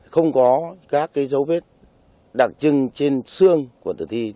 không có các dấu vết đặc trưng trên xương của tử thi